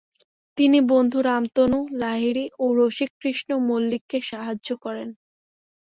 তিনি বন্ধু রামতনু লাহিড়ী ও রসিককৃষ্ণ মল্লিককে সাহায্য করেন।